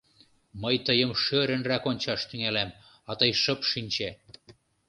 Мый тыйым шӧрынрак ончаш тӱҥалам, а тый шып шинче.